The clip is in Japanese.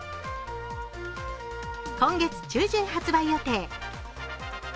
今月中旬発売予定。